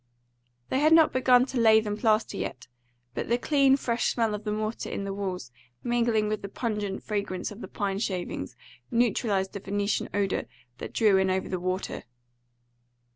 They had not begun to lath and plaster yet, but the clean, fresh smell of the mortar in the walls mingling with the pungent fragrance of the pine shavings neutralised the Venetian odour that drew in over the water.